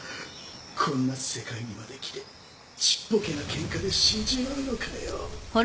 こんな世界にまで来てちっぽけなケンカで死んじまうのかよ。